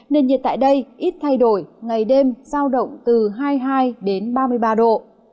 nền nhiệt tại đây ít thay đổi ngày đêm giao động từ hai mươi hai ba mươi ba độ